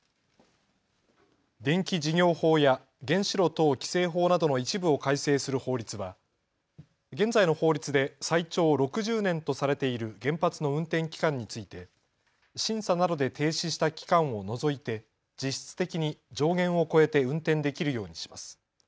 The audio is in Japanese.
電気事業法や原子炉等規制法などの一部を改正する法律は現在の法律で最長６０年とされている原発の運転期間について審査などで停止した期間を除いて実質的に上限を超えて運転できるようにします。